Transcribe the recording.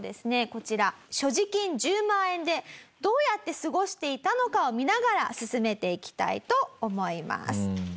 こちら所持金１０万円でどうやって過ごしていたのかを見ながら進めていきたいと思います。